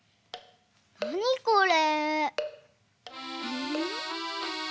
なにこれ？